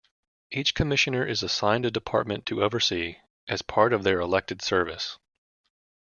Each commissioner is assigned a department to oversee as part of their elected service.